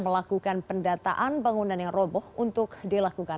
terus gudung ini ada pengundinya gak sih di atas